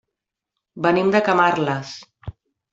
Venim de Camarles.